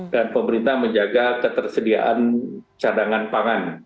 dan pemerintah menjaga ketersediaan cadangan pangan